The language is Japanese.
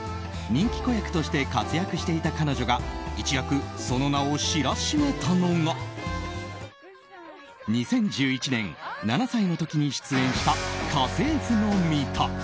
人気子役として活躍していた彼女が一躍、その名を知らしめたのが２０１１年、７歳の時に出演した「家政婦のミタ」。